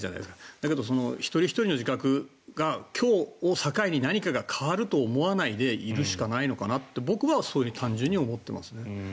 だけど一人ひとりの自覚が今日を境に何かが変わると思わないでいるしかないのかなと僕はそういうふうに単純に思っていますね。